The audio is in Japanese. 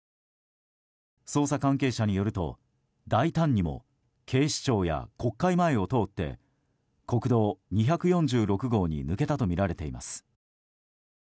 捜査関係者によると大胆にも警視庁や国会前を通って国道２４６号に抜けたとみられています。